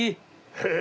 へえ！